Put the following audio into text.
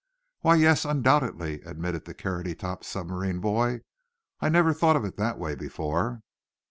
"Why, yes, undoubtedly," admitted the carroty topped submarine boy. "I never thought of it that way before."